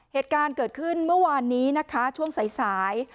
เหตุการณ์เกิดขึ้นเมื่อวานนี้นะคะช่วงสาย